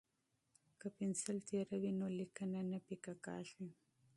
که پنسل تیره وي نو لیکنه نه پیکه کیږي.